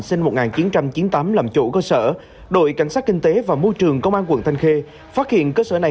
sinh năm một nghìn chín trăm chín mươi tám làm chủ cơ sở đội cảnh sát kinh tế và môi trường công an quận thanh khê phát hiện cơ sở này